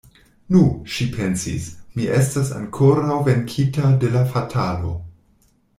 Nu, ŝi pensis, mi estas ankoraŭ venkita de la fatalo.